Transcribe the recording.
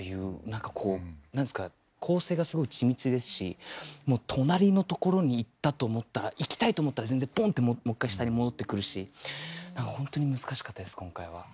なんかこうなんすか構成がすごい緻密ですし隣のところに行ったと思ったら行きたいと思ったら全然ポンッてもっかい下に戻ってくるしほんとに難しかったです今回は。